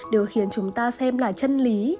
đều khiến chúng ta xem là chân lý